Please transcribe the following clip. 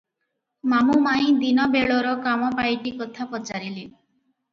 ମାମୁ ମାଇଁ ଦିନ ବେଳର କାମ ପାଇଟି କଥା ପଚାରିଲେ ।